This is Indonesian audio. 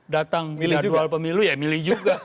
datang ya dual pemilu ya milih juga